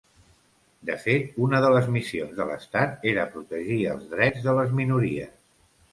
De fet una de les missions de l'estat era protegir els drets de les minories.